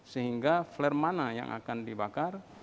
sehingga flare mana yang akan dibakar